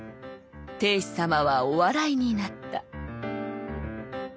定子様はお笑いになった」。